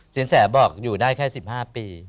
สินแสบอกอยู่ได้แค่๑๕ปี